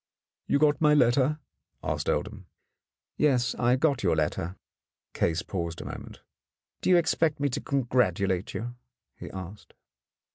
"You got my letter?" asked Oldham. "Yes, I got your letter." Case paused a moment. "Do you expect me to congratulate you?" he asked.